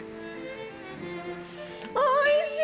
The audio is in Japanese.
おいしい！